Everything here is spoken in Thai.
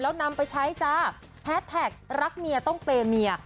แล้วนำไปใช้จ้าแฮสแท็กรักเมียต้องเปย์เมีย